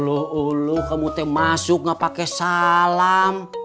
uluh ulu kamu masuk gak pakai salam